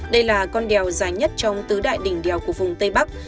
đây là con đèo dài nhất trong tứ đại đỉnh đèo của vùng tây bắc